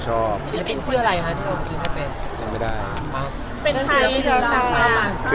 เป็นรูป